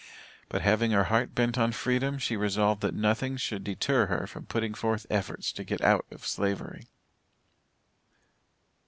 But having her heart bent on freedom, she resolved that nothing should deter her from putting forth efforts to get out of Slavery.